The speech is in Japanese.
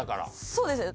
そうですね